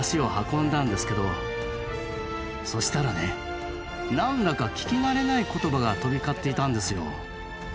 そしたらね何だか聞き慣れない言葉が飛び交っていたんですよ。